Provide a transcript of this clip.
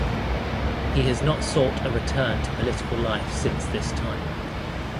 He has not sought a return to political life since this time.